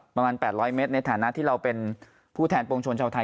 ประมาณ๘๐๐เมตรในฐานะที่เราเป็นผู้แทนปวงชนชาวไทย